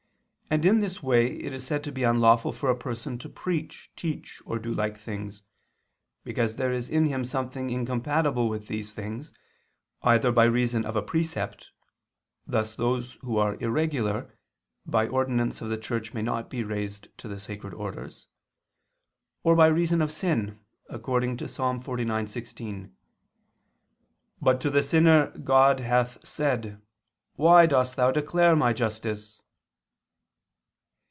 And in this way it is said to be unlawful for a person to preach, teach, or do like things, because there is in him something incompatible with these things, either by reason of a precept thus those who are irregular by ordinance of the Church may not be raised to the sacred orders or by reason of sin, according to Ps. 49:16, "But to the sinner God hath said: Why dost thou declare My justice?"